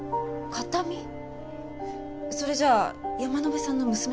それじゃあ山野辺さんの娘さんって。